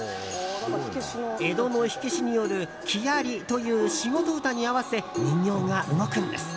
江戸の火消しによる「木遣り」という仕事歌に合わせ人形が動くんです。